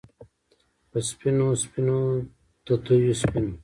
په سپینو، سپینو تتېو سپینو